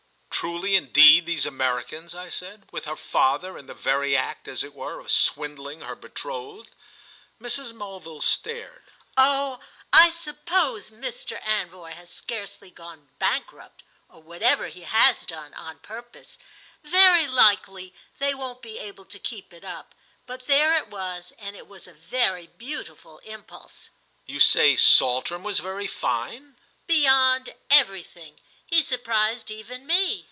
"Truly indeed these Americans!" I said. "With her father in the very act, as it were, of swindling her betrothed!" Mrs. Mulville stared. "Oh I suppose Mr. Anvoy has scarcely gone bankrupt—or whatever he has done—on purpose. Very likely they won't be able to keep it up, but there it was, and it was a very beautiful impulse." "You say Saltram was very fine?" "Beyond everything. He surprised even me."